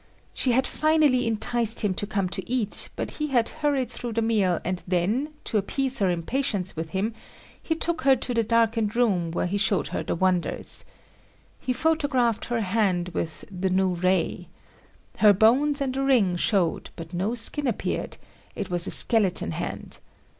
She had finally enticed him to come to eat but he had hurried through the meal and then, to appease her impatience with him, he took her to the darkened room where he showed her the wonders. He photographed her hand with the "new ray." Her bones and a ring showed but no skin appeared it was a skeleton hand.